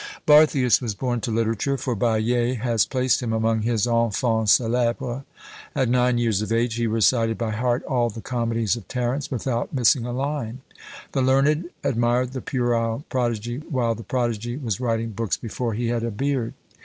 Barthius was born to literature, for Baillet has placed him among his "Enfans CÃ©lÃẀbres." At nine years of age he recited by heart all the comedies of Terence, without missing a line. The learned admired the puerile prodigy, while the prodigy was writing books before he had a beard.